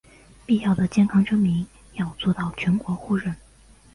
必要的健康证明要做到全国互认